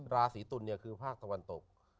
ราศีตุลเนี่ยคือภาคตะวันตก